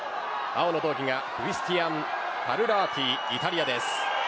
青の道着がクリスティアン・パルラーティ、イタリアです。